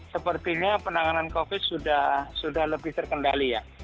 sepertinya penanganan covid sudah lebih terkendali ya